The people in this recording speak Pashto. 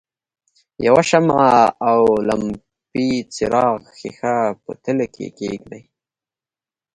یوه شمع او لمپې څراغ ښيښه په تلې کې کیږدئ.